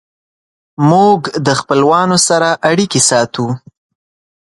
موږ د خپلوانو سره اړیکې ساتو.